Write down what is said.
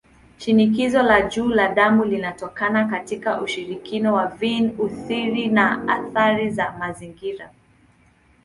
Shinikizo la juu la damu linatokana katika ushirikiano wa viini-urithi na athari za mazingira.